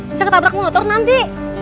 bisa ketabrak motor nanti